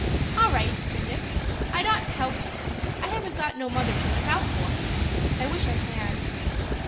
"All right," said Dick. "I'd ought to help you. I haven't got no mother to look out for. I wish I had."